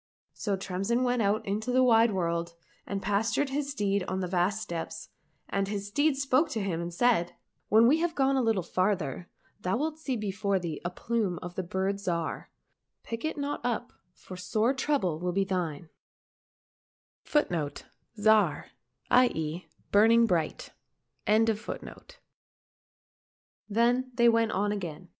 " So Tremsin went out into the wide world and pastured his steed on the vast steppes, and his steed spoke to him and said, " When we have gone a little farther, thou wilt see before thee a plume of the Bird Zhar^ ; pick it not up, or sore trouble will be thine !" Then they went on again.